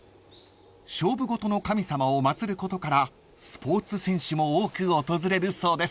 ［勝負事の神様を祭ることからスポーツ選手も多く訪れるそうです］